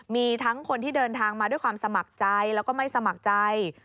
มีทั้งคนที่เดินทางมาด้วยความสมัครใจแล้วก็ไม่สมัครใจ